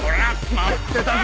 待ってたぞ！